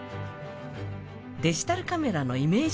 デジタルカメラのイメージ